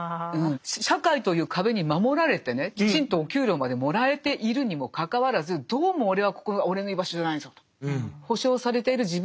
社会という壁に守られてねきちんとお給料までもらえているにもかかわらずどうも俺はここは俺の居場所じゃないぞと。